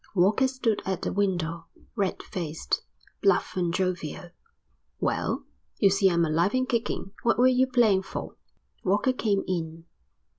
Walker stood at the window, red faced, bluff and jovial. "Well, you see I'm alive and kicking. What were you playing for?" Walker came in.